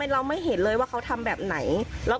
เราไม่เห็นเลยว่าเขาทำแบบไหน